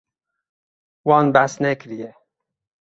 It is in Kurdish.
Wan behs nekiriye.